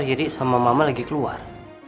sama mama lagi keluar